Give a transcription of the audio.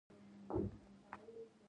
او بالکل ئې د ړق نه اوباسي -